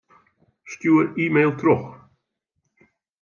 Stjoer e-mail troch.